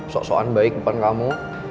sok soan baik depan kamu